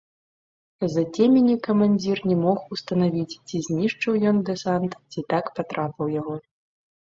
З-за цемені камандзір не мог устанавіць, ці знішчыў ён дэсант, ці так патрапаў яго.